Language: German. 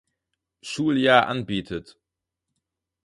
Schuljahr anbietet.